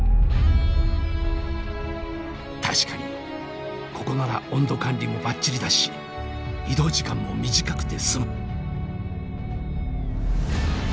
確かにここなら温度管理もばっちりだし移動時間も短くて済む。